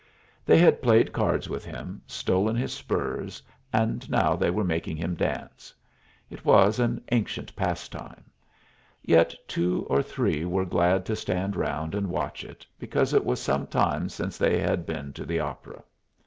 They had played cards with him, stolen his spurs, and now they were making him dance. It was an ancient pastime; yet two or three were glad to stand round and watch it, because it was some time since they had been to the opera.